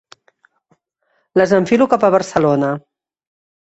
Les enfilo cap a Barcelona.